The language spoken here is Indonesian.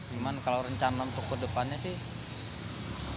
cuman kalau rencana untuk kedepannya sih